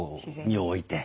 身を置いて。